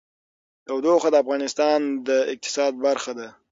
تودوخه د افغانستان د اقتصاد برخه ده.